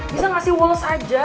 bisa gak sih woles aja